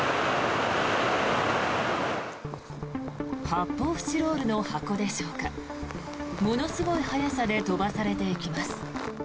発泡スチロールの箱でしょうかものすごい速さで飛ばされていきます。